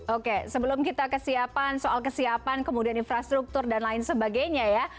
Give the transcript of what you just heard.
oke sebelum kita kesiapan soal kesiapan kemudian infrastruktur dan lain sebagainya ya